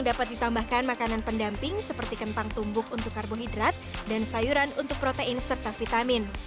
dapat ditambahkan makanan pendamping seperti kentang tumbuk untuk karbohidrat dan sayuran untuk protein serta vitamin